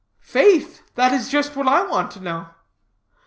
"Faith, that is just what I want to know."